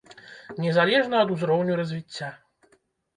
Незалежна ад узроўню развіцця.